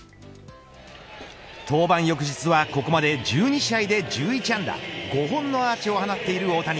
登板翌日は、ここまで１２試合で１１安打５本のアーチを放っている大谷。